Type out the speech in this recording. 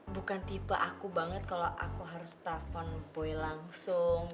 bukan tipe aku banget kalau aku harus telpon boy langsung